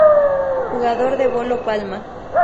Jugador de bolo palma.